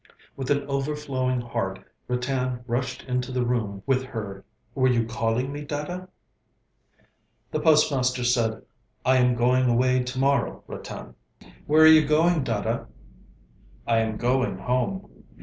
With an overflowing heart Ratan rushed into the room with her 'Were you calling me, Dada?' The postmaster said: 'I am going away to morrow, Ratan.' 'Where are you going, Dada?' 'I am going home.'